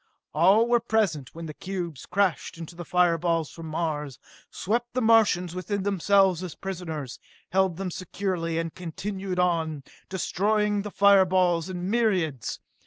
All were present when the cubes crashed into the fire balls from Mars, swept the Martians within themselves as prisoners, held them securely and continued on, destroying the fire balls in myriads.